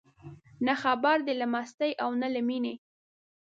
نه خبر دي له مستۍ او نه له مینې